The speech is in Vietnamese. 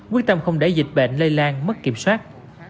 quyết tâm không để dịch bệnh lây lan mất kiểm soát